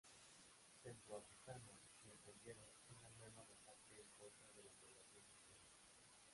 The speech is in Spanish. Centroafricana y emprendieron una nueva masacre en contra de la población cristiana.